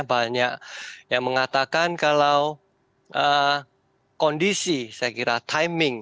banyak yang mengatakan kalau kondisi saya kira timing